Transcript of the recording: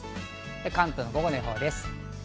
関東の午後の予報です。